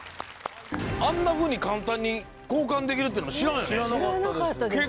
あんなふうに簡単に交換できるっていうのも知らんよね？